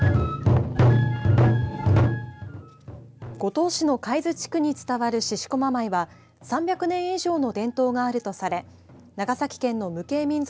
五島市の貝津地区に伝わる獅子こま舞は３００年以上の伝統があるとされ長崎県の無形民俗